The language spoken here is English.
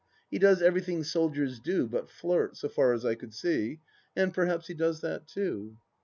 He does everything soldiers do but flirt, so far as I could see, and perhaps he does that too